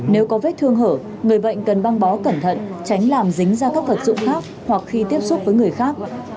nếu có vết thương hở người bệnh cần băng bó cẩn thận tránh làm dính ra các vật dụng khác hoặc khi tiếp xúc với người khác